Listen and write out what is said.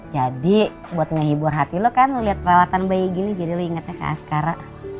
jadi buat ngehibur hati lo kan lo liat perawatan bayi gini jadi lo ingetnya ke askara